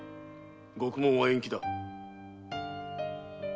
獄門は延期だ。